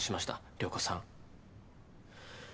涼子さん。